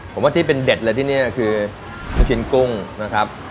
ผมว่าที่เป็นเด็ดเลยที่นี่คือลูกชิ้นกุ้งนะครับ